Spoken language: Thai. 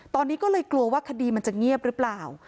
ตอนนี้ก็เลยกลัวว่าคดีมันจะเงียบหรือเปล่า